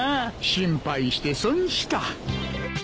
心配して損した。